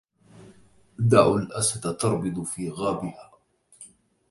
دعوا الأسد تربض في غابها